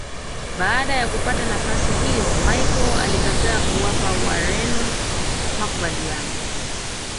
Baada ya kupata nafasi hiyo Machel alikataa kuwapa Wareno makubaliano